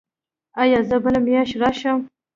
ایا زه بله میاشت راشم؟